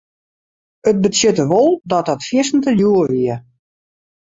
It betsjutte wol dat dat fierste djoer wie.